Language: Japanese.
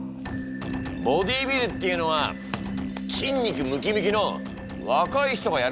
ボディービルっていうのは筋肉ムキムキの若い人がやるもんだ。